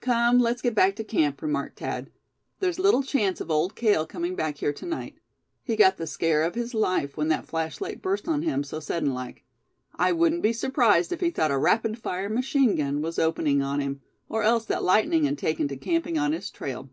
"Come, let's get back to camp," remarked Thad. "There's little chance of Old Cale coming back here to night. He got the scare of his life when that flashlight burst on him so sudden like. I wouldn't be surprised if he thought a rapid fire machine gun was opening on him; or else that lightning had taken to camping on his trail."